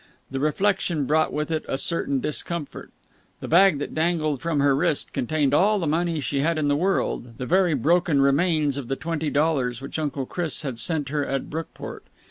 The reflection brought with it a certain discomfort. The bag that dangled from her wrist contained all the money she had in the world, the very broken remains of the twenty dollars which Uncle Chris had sent her at Brookport.